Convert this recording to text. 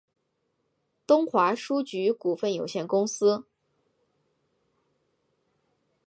东华书局股份有限公司